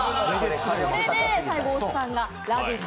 それで最後、大津さんがラヴィット！